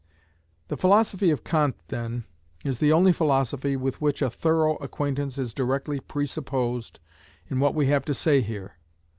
The philosophy of Kant, then, is the only philosophy with which a thorough acquaintance is directly presupposed in what we have to say here.